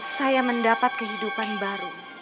saya mendapat kehidupan baru